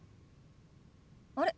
あれ？